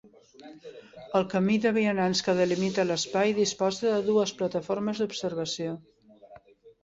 El camí de vianants que delimita l'espai disposa de dues plataformes d'observació.